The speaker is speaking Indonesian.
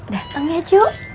dateng ya cu